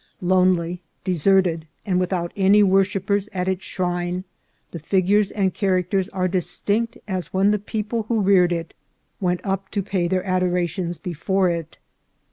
Lonely, deserted, and with out any worshippers at its shrine, the figures and char acters are distinct as when the people who reared it went up to pay their adorations before it.